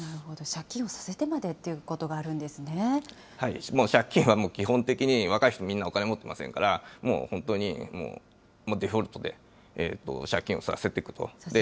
借金をさせてまでもう借金は基本的に若い人、みんなお金持ってませんから、もう本当にデフォルトで借金をさせていくと。